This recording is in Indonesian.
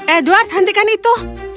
edward hentikan itu